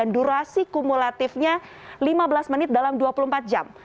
durasi kumulatifnya lima belas menit dalam dua puluh empat jam